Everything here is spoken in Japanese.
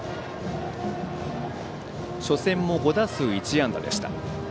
初戦も５打数１安打でした。